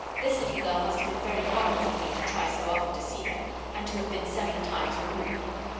This little girl must have been very fond of the Queen to try so often to see her, and to have been seven times removed.